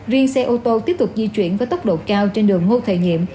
riêng xe ô tô tiếp tục di chuyển với tốc độ cao trên đường ngo thợ diệm